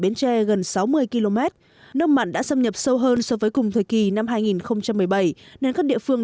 bến tre gần sáu mươi km nước mặn đã xâm nhập sâu hơn so với cùng thời kỳ năm hai nghìn một mươi bảy nên các địa phương